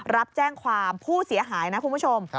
รับแจ้งความผู้เสียหายนะคุณผู้ชม